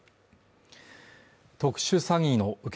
特殊詐欺の受け